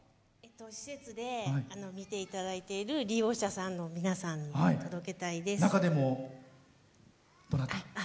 施設で見ていただいている利用者さんの皆さんに中でも、どなた？